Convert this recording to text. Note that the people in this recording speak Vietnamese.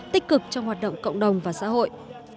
tích cực trong hoạt động cộng đồng và xã hội